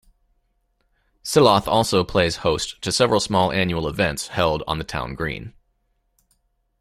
Silloth also plays host to several small annual events held on the town green.